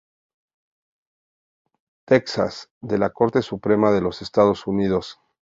Texas" de la Corte Suprema de los Estados Unidos.